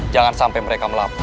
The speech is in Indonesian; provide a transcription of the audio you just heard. jangan sampai mereka melaporkan